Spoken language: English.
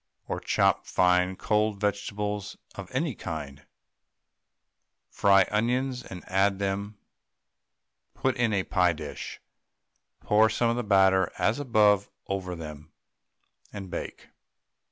Or chop fine cold vegetables of any kind, fry onions and add to them, put in a pie dish, pour some of the batter as above over them, and bake.